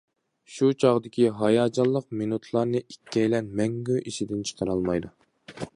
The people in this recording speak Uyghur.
شۇ چاغدىكى ھاياجانلىق مىنۇتلارنى ئىككىيلەن مەڭگۈ ئېسىدىن چىقىرالمايدۇ.